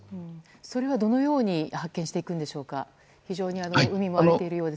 それはどのように発見していくんでしょうか。